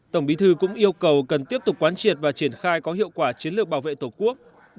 tổng bí thư cũng yêu cầu cần tiếp tục quán triệt và triển khai có hiệu quả chiến lược bảo vệ tổ quốc